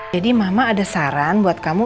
jadi mama ada saran buat kamu